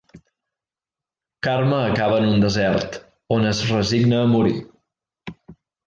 Karma acaba en un desert, on es resigna a morir.